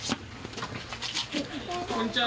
こんにちは。